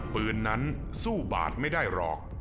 ปืนนั้นสู้บาดไม่ได้หรอก